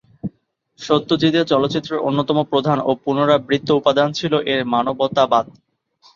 সত্যজিতের চলচ্চিত্রের অন্যতম প্রধান ও পুনরাবৃত্ত উপাদান ছিল এর মানবতাবাদ।